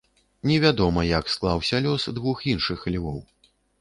Не вядома, як склаўся лёс двух іншых львоў.